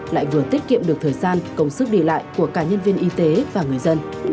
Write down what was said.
lại vừa tiết kiệm được thời gian công sức đi lại của cả nhân viên y tế và người dân